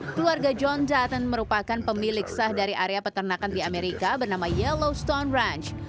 keluarga john dutton merupakan pemilik sah dari area peternakan di amerika bernama yellow stone ranch